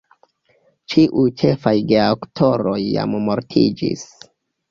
Ĉiuj ĉefaj geaktoroj jam mortiĝis.